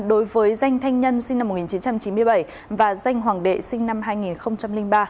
đối với danh thanh nhân sinh năm một nghìn chín trăm chín mươi bảy và danh hoàng đệ sinh năm hai nghìn ba